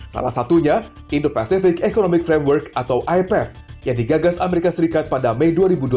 salah satunya indo pacific economic framework atau ipf yang digagas amerika serikat pada mei dua ribu dua puluh